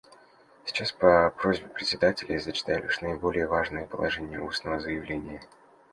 Сейчас по просьбе Председателя я зачитаю лишь наиболее важные положения устного заявления.